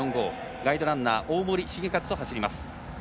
ガイドランナー大森盛一と走ります。